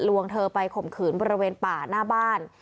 วงเธอไปข่มขืนบริเวณป่าหน้าบ้าน